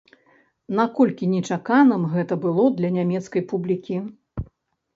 Наколькі нечаканым гэта было для нямецкай публікі?